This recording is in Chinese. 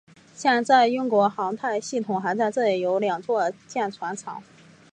现在英国航太系统还在这里有两座造船厂。